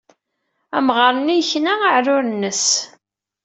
Amɣar-nni yekna aɛrur-nnes.